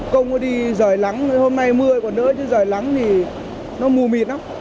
công có đi rời lắng hôm nay mưa còn nữa chứ rời lắng thì nó mù mịt lắm